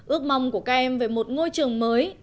ước mong của các em về một ngôi trường mới